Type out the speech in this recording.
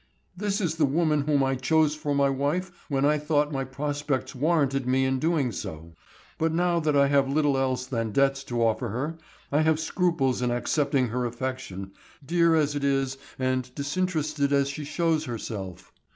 "This is the woman whom I chose for my wife when I thought my prospects warranted me in doing so. But now that I have little else than debts to offer her, I have scruples in accepting her affection, dear as it is and disinterested as she shows herself.